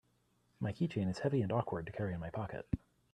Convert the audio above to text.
My keychain is heavy and awkward to carry in my pocket.